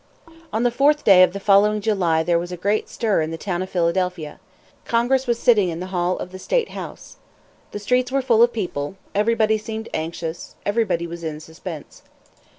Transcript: On the fourth day of the following July there was a great stir in the town of Philadelphia. Congress was sitting in the Hall of the State House. The streets were full of people; everybody seemed anxious; everybody was in suspense.